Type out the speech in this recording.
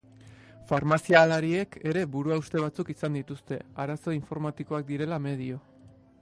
Farmazialariek ere buruhauste batzuk izan dituzte, arazo informatikoak direla medio.